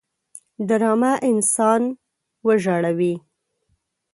ډرامه انسان وژاړي